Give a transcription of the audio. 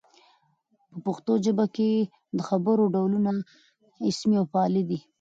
په پښتو ژبه کښي د خبر ډولونه اسمي او فعلي دي.